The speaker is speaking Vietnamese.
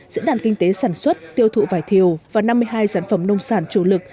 diễn đàn kinh tế sản xuất tiêu thụ vải thiều và năm mươi hai sản phẩm nông sản chủ lực